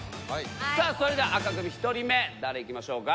さあそれでは紅組１人目誰行きましょうか。